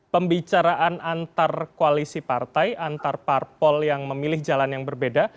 pembicaraan antar koalisi partai antar parpol yang memilih jalan yang berbeda